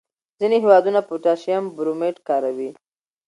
ځینې هېوادونه پوټاشیم برومیټ کاروي.